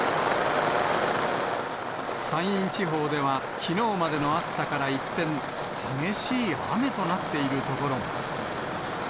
山陰地方では、きのうまでの暑さから一転、激しい雨となっている所も。